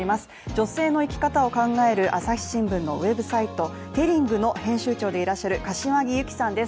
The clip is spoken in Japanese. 女性の生き方を考える「朝日新聞」のウェブサイトｔｅｌｌｉｎｇ，の編集長でいらっしゃる柏木友紀さんです。